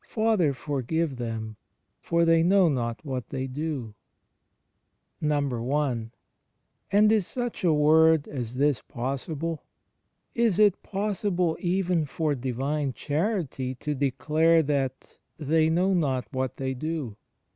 ^^ Father, jor give them, for they know not what they doJ^ I. And is such a word as this possible? Is it possible even for Divine Charity to declare that "they know not what they do"?